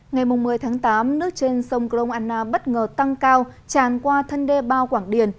ngày một mươi tháng tám nước trên sông grong anna bất ngờ tăng cao tràn qua thân đê bao quảng điền